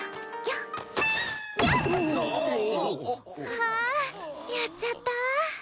あんやっちゃった。